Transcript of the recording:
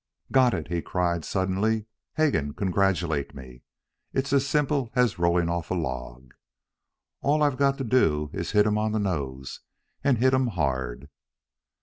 "Got it" he cried suddenly. "Hegan, congratulate me. It's as simple as rolling off a log. All I've got to do is hit him on the nose, and hit him hard."